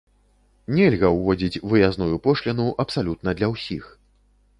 Нельга ўводзіць выязную пошліну абсалютна для ўсіх.